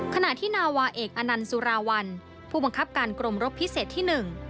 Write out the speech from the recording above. ขณะที่นาวาเอกอนันต์สุราวัลผู้บังคับการกรมรบพิเศษที่หนึ่ง